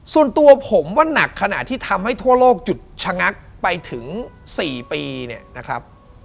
ส่วนตัวผมว่านักขณะที่ทำให้ทั่วโลกหยุดชะงักไปถึง๔ปีเนี่ยนะครับ